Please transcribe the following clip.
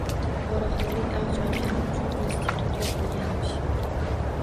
Poraxoʻrlik avj olgani uchun institut yopilganmish